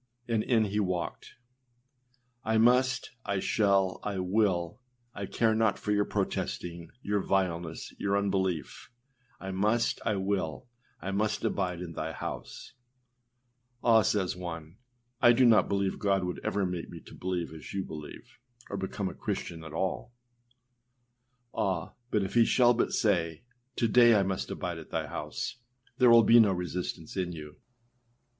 and in he walked: âI must, I shall, I will; I care not for your protesting your vileness, your unbelief; I must, I will; I must abide in thy house.â âAh!â says one, 327 Spurgeonâs Sermons Vol. II ClassicChristianLibrary.com âI do not believe God would ever make me to believe as you believe, or become a Christian at all.â Ah! but if he shall but say, âTo day I must abide at thy house,â there will be no resistance in you.